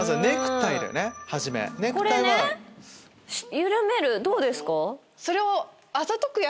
緩めるどうですか？